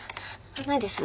ないです。